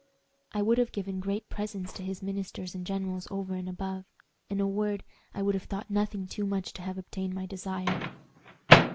I would have given great presents to his ministers and generals over and above. In a word, I would have thought nothing too much to have obtained my desire."